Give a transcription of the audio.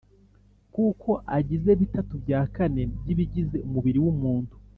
kuko agize bitatu bya kane by’ibigize umubiri w’umuntu,